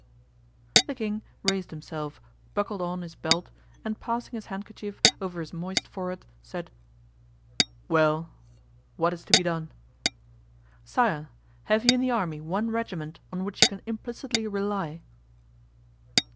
The king raised himself, buckled on his belt, and passing his handkerchief over his moist forehead, said: "Well, what is to be done?" "Sire, have you in the army one regiment on which you can implicitly rely?"